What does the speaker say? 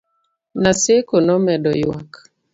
Naseko nomedo yuak